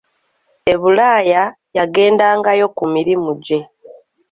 E bulaaya yagendangayo ku mirimu gye.